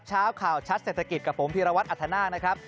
เช้าข่าวชัดเศรษฐกิจกับผมพีรวัตรอัธนาคนะครับ